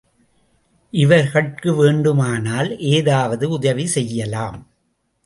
இவர்கட்கு வேண்டுமானால் ஏதாவது உதவி செய்யலாம்.